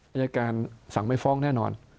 อายการสั่งไม่ฟ้องแน่นอน